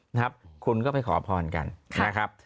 นะครับคุณก็ไปขอพรกันนะครับ